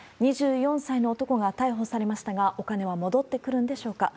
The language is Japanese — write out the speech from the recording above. ２４歳の男が逮捕されましたが、お金は戻ってくるんでしょうか。